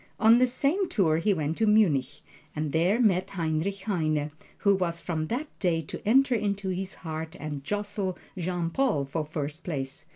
On this same tour he went to Munich, and there met Heinrich Heine, who was from that day to enter into his heart and jostle Jean Paul for first place.